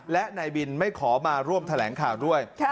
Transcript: และนายบินไม่ขอมาร่วมแถลงข่าวด้วย